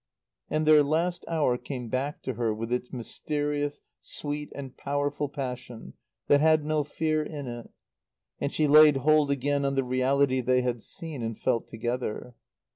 And their last hour came back to her with its mysterious, sweet and powerful passion that had no fear in it; and she laid hold again on the Reality they had seen and felt together.